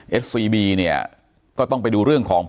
อย่างที่บอกไปว่าเรายังยึดในเรื่องของข้อ